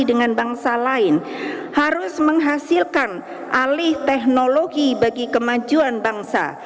dengan bangsa lain harus menghasilkan alih teknologi bagi kemajuan bangsa